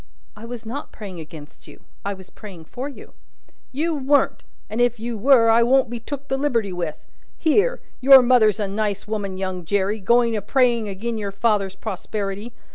"I was not praying against you; I was praying for you." "You weren't. And if you were, I won't be took the liberty with. Here! your mother's a nice woman, young Jerry, going a praying agin your father's prosperity.